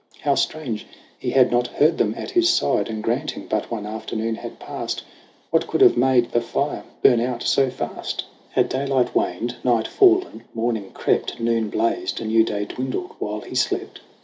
How strange he had not heard them at his side ! And granting but one afternoon had passed, What could have made the fire burn out so fast ? THE CRAWL 89 Had daylight waned, night fallen, morning crept, Noon blazed, a new day dwindled while he slept